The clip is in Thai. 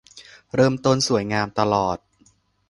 เริ่มต้นสวยงามตลอด